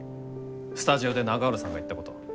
スタジオで永浦さんが言ったこと。